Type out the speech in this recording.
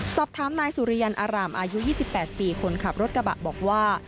สอบถามนายสุริยันอารามอายุ๒๘ปีคนขับรถกระบะบอกว่า